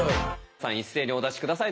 さあ一斉にお出し下さい。